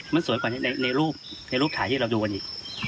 มันสวยกว่าในรูปในรูปถ่ายที่เราดูกันอีก